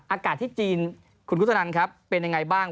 อากาศที่จีนคุณคุตนันครับเป็นยังไงบ้าง